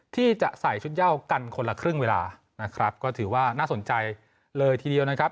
ที่จะใส่ชุดเย่ากันคนละครึ่งเวลานะครับก็ถือว่าน่าสนใจเลยทีเดียวนะครับ